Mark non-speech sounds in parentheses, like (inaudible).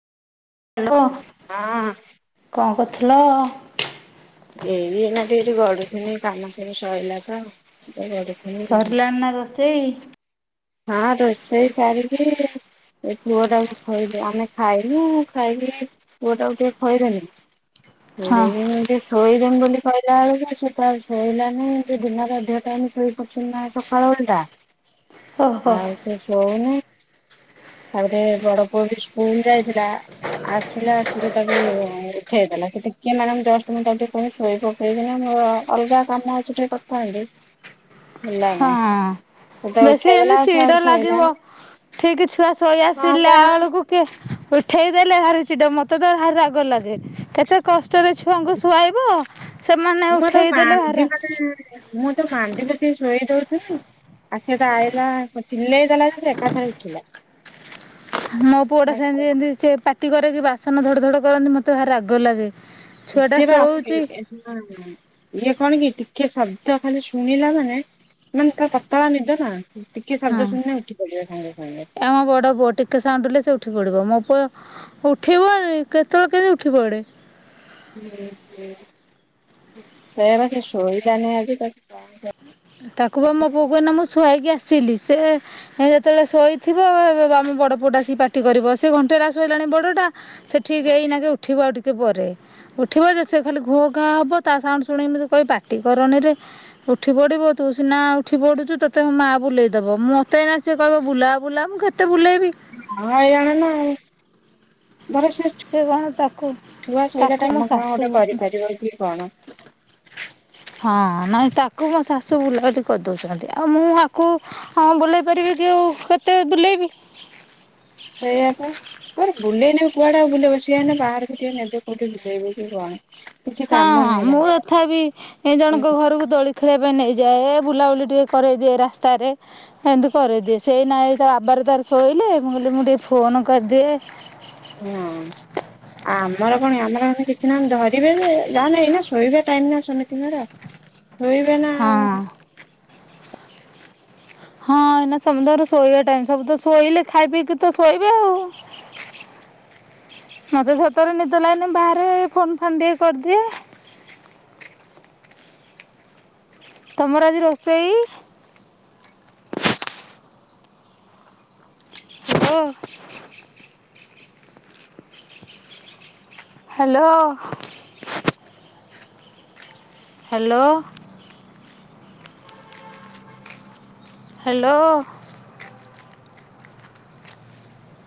Hello ହଁ କଣ କରୁଥିଲ? ଏଇନା ଟିକେ ଗଡୁଥିଲୁ କାମ ଫାମ ସରିଲା ତ ଗଡୁଥିଲି ସରିଲାନା ରୋଷେଇ? ହଁ ରୋଷେଇ ସାରିକି ଏ ପୁଅ ଟାକୁ ଖୁଆଦେଇ ଆମେ ଖାଇନୁ ଖାଇବୁ ପୁଅ ଟାକୁ ଟିକେ ଖୁଆଇ ହଁ। ଦିଅନ୍ତିନି (unintelligible) ଶୋଇ (unintelligible) କହିଲା ବେଳକୁ ସେଟାବେଳେ ଶୋଇଲାନି ଦିନରେ ଅଧ ଟାଇମ ଶୋଇ ପାରୁଛନ୍ତି ନାହିଁ ସକାଳ ଓଳିଟା। ଓହୋ ଆଉ ସେ ଶଉନି ତାପରେ ବଡ ପଅ ବି ସ୍କୁଲ ଯାଇଥିଲା। ଆସିଲେ ଆସିକି ତାକୁ ଉଠେଇଦେଲା ସେ ଟିକିଏ ନାକୁ ମାନେ ଜଷ୍ଟ ମୁଁ ତାକୁ ଶୁଆଇ ଦେ ଶୁଆଇ ଦେଲାନି ଅ ଅଲଗା କାମ ଅଛି ଟିକେ କରିଥାନ୍ତି ହେଲାନି। ହଁ। ସେତେବେଳେ ବେଶୀ ଉଠେଇଦେଲା ଏମିତି ସେ ଆଉ ଚିଡ଼ା ଲାଗିବ ଶୋଇଲାନି। ଠିକ ଛୁଆ ଶୋଇ ହଁ ଆସିଲା ବା ଆଳକୁ। ଟେ ଉଠେଇଦେଲେ ଭାରି ଚିଡ଼ା ଲାଗେ ମତେ ତ ଭାରି ରାଗ ଲାଗେ। କେତେ କଷ୍ଟରେ ଛୁଆଙ୍କୁ ଶୁଆଇବ ସେମାନେ ଉଠେଇଦେଲେ ହର ହୁଁ। ମୁଁ ତ ମାଡିିବ ବସିକି ଶୁଆଇ ଦଉଛି ନା। ଆ ସେଇଟା ଆଇଲା ଚିଲେଇ ଦେଲା ଏକାଥରେ ଉଠିଗଲା। (inaudible) ମୋ ପୁଅ ଟା ସେମତି ଯେମିତି ପାଟି କରେ କିି ବାସନ ଧଡ ଧଡ କରେ ମତେ ଭାରି ରାଗ ଲାଗେ। ଛୁଆଟା ଶୋଉଛି। ହୁଁ। ଇଏ କଣ କି ଟିକେ ଶବ୍ଦ ଖାଲି ଶୁଣିଲା ମାନେ ମାନେ ତା ପତଳା ନିଦ ନା। ଟିକେ ଶବ୍ଦ ଶୁଣି ଉଠି ପଡିବା ସାଙ୍ଗେ ସାଙ୍ଗେ। ଅ ଆମ ବଡ ପୁଅ ଟିକେ ସାଉଣ୍ଡ ହେଲେ ସେ ଉଠି ପଡିବ ମୋ ପୁଅ ଉଠେଇବ କେତେବେଳେ କେମିତି ଉଠି ପଡ଼େ। ସେୟା ବା ସେ ଶୋଇଲାଣି ଆଜି ତାକୁ ତାକୁ ବା ମୋ ପୁଅ ଏକିନା ମୁଁ ଶୁଆଇକି ଆସିଲି ସେ ସେ ଯେତେବେଳେ ଶୋଇଥିବ ଆମ ବଡ ପୁଅଟା ସେ ପାଟି କରିବ ସେ ଘଣ୍ଟେଲା ଶୋଇଲାଣି ବଡ ଟା। ସେଠିକି ଏଇନା କେ ଉଠିବ ଆଉ ଟିକେ ପରେ। ଉଠିବ ଯେ ସେ ଖାଲି ଘୋ ଘା ହବ ତା ସାଉଣ୍ଡ ଶୁଣେଇ କହ ପାଟି କରନିରେ ଉଠିବ। ପଡ଼ିବ ତୁ ସିନା ଉଠି ପଡ଼ୁଛୁ ତତେ ମାଆ ବୁଲେଇଦବ ମୁଁ ମତେ ନା ସିଏ କହିବ ବୁଲା ବୁଲା ମୁଁ କେତେ ବୁଲେଇବି? ହଇରାଣ ନା ଆଉ। ସେ କଣ ତାକୁ। ଛୁଆ ଶୋଇଲା ତାକୁ ମୋ ତମେ କାମ ଗୋଟେ ଶାଶୁ କରିପାରିବ କି କଣ? ହଁ ନାଇଁ ତାକୁ ମୋ ଶାଶୁ ବୁଲାବୁଲି କରିଦଉଛନ୍ତି ଆଉ ମୁଁ ଆକୁ ହଁ ବୁଲେଇ ପାରିବି କି ଆଉ କେତେ ବୁଲେଇବି? ସେଇଆ ପା ବୁଲେଇ ନେଉ କୁଆଡେ ଆଉ ବୁଲେଇ ବସିବା ନା ବାହାରକୁ ଟିକେ ନେବେ। ଏଇଟା ଧୋଇବେକି କଣ? କିଛି ହଁ କାମ ନାହିଁ ମୁଁ ତାଙ୍କର ତଥାପି ଏ ଜଣଙ୍କ ଘରକୁ ଦୋଳି ଖେଲେଇବା ପାଇଁ ନେଇଯାଏ ବୁଲାବୁଲି ଟିକେ କରେଇଦିଏ ରାସ୍ତାରେ। ସେମିତି କରେଇଦିଏ ସେଇ ନାଏ ଏ ବାବା ର ତାର ଶୋଇଲେ ମୁଁ କହିଲି ମୁଁ ଟିକେ ଫୋନ କରିଦିଏ। ହଁ। ଆମର କଣ ଆମର କିଛି ନାହିଁ ଡରିବେ ଯେ ଏବେ ଶୋଇବା ଟାଇମ୍ ସମସ୍ତଙ୍କର। (inaudible) ରୋଇବେ ନା ହଁ ଆଉ। ହଁ ଏନା ସମସ୍ତଙ୍କର ଶୋଇବା ଟାଇମ ସବୁ ତ ଶୋଇଲେ ଖାଇ ପିଇକି ତ ଶୋଇବେ ଆଉ। ମତେ ସତରେ ନିଦ ଲାଗନି ବାହାରେ ଫୋନ୍ ଫାନ୍ ଟିକେ କରିଦିଏ। ତମର ଆଜି ରୋଷେଇ? ହଁ। ହ୍ୟାଲୋ। ହ୍ୟାଲୋ। ହ୍ୟାଲୋ